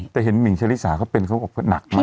แต่เห็นหมิ่งชะลิสาเขาเป็นเขาบอกเขาหนักมาก